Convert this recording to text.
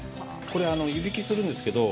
これ湯引きするんですけど。